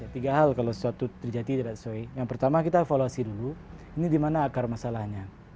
tiga hal kalau sesuatu terjadi tidak sesuai yang pertama kita evaluasi dulu ini di mana akar masalahnya